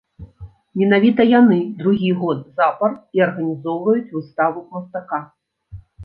Менавіта яны другі год запар і арганізоўваюць выставу мастака.